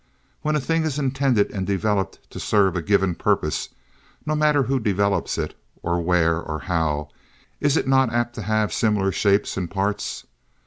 When a thing is intended and developed to serve a given purpose, no matter who develops it, or where or how, is it not apt to have similar shapes and parts?